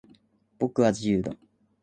僕は、自由だ。